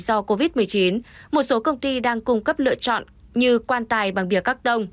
do covid một mươi chín một số công ty đang cung cấp lựa chọn như quan tài bằng bìa cắt tông